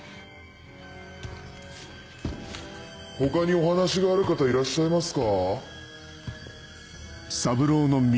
他にお話がある方いらっしゃいますか？